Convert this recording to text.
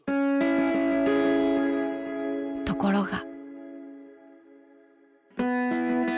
［ところが］